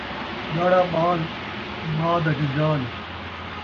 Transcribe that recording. جاڑا ٻال، ماء دا جنجال